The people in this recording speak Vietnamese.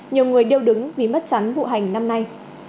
nhiều người đều đứng vì mất chắn vụ hành năm nay